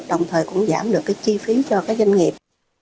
đồng thời cũng giảm được cái chi phí cho các doanh nghiệp